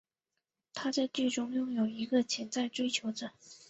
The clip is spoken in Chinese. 她在剧中拥有一个潜在追求者。